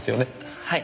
はい。